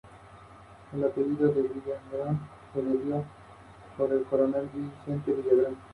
Esto significaba que sólo podía permitirse vivir en un bloque ruinoso de viviendas.